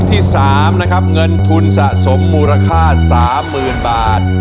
ที่๓นะครับเงินทุนสะสมมูลค่า๓๐๐๐บาท